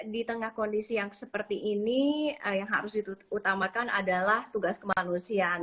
di tengah kondisi yang seperti ini yang harus diutamakan adalah tugas kemanusiaan